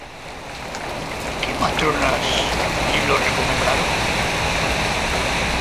¿Que matronas llelo recomendaron?